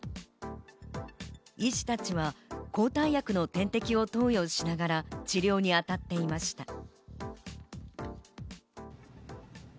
医師たちは抗体薬の点滴を投与しながら治療に当たっていました。